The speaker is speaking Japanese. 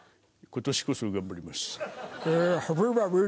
今年こそ頑張ります。